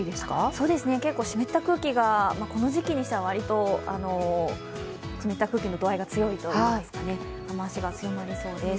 そうですね、結構湿った空気がこの時期にしてはわりと湿った空気の度合いが強いというか雨足が強まりそうです。